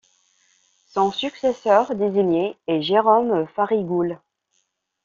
Son successeur désigné est Jérôme Farigoule.